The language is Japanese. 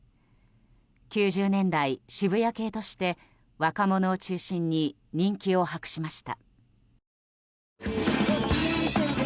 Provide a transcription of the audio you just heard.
９０年台、渋谷系として若者を中心に人気を博しました。